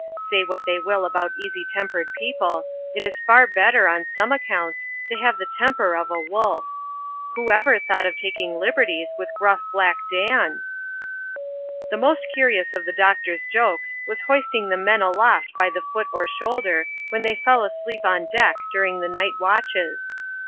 Say what they will about easy tempered people, it is far better, on some accounts, to have the temper of a wolf. Who ever thought of taking liberties with gruff l^ackDan! The most curious of the doctor^s jokes, was hoisting the men aloft by the foot or shoulder, when they fell asleep on dedk during the night watches.